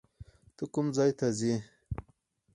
ته کوم ځای ته ځې؟